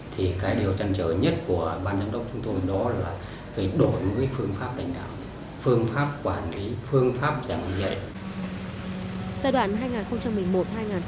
thì cái điều trăn trở nhất của ban giám đốc chúng tôi đó là phải đổi một cái phương pháp đánh đạo phương pháp quản lý phương pháp giảng dạy